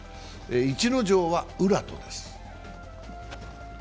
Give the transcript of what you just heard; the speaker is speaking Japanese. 逸ノ城は宇良とです。